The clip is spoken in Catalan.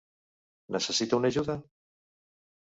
Necessita una ajuda?